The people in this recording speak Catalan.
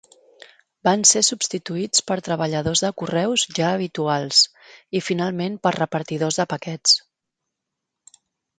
Van ser substituïts per treballadors de correus ja habituals i finalment per repartidors de paquets.